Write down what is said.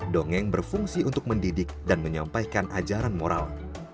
dongeng berfungsi untuk mendidik dan menyampaikan ajaran moral